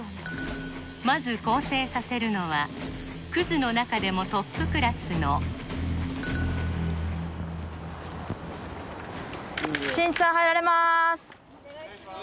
まず更生させるのはクズの中でもトップクラスの・しんいちさん入られまーす・お願いします